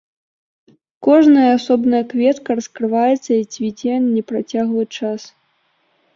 Кожная асобная кветка раскрываецца і цвіце непрацяглы час.